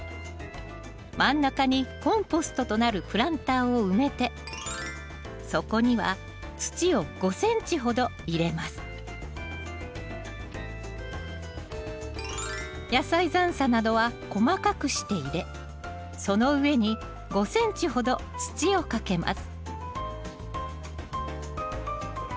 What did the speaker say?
真ん中にコンポストとなるプランターを埋めて野菜残などは細かくして入れその上に５ｃｍほど土をかけます。